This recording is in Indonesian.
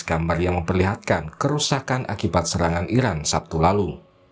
gambar yang memperlihatkan kerusakan akibat serangan iran sabtu lalu